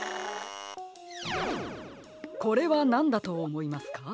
これはなんだとおもいますか？